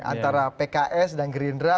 antara pks dan gerindra